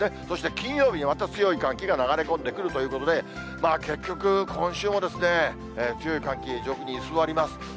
そして金曜日にまた強い寒気が流れ込んでくるということで、結局、今週も強い寒気、上空に居座ります。